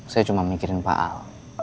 saya cuma mikirin pak al